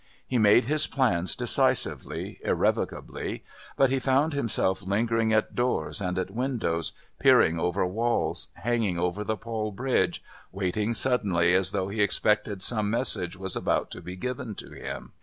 He made his plans decisively, irrevocably, but he found himself lingering at doors and at windows, peering over walls, hanging over the Pol bridge, waiting suddenly as though he expected some message was about to be given to him.